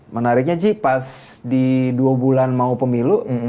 menariknya ji pas di dua bulan mau pemilu